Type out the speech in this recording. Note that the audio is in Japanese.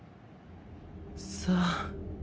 さあ。